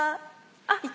あっいた。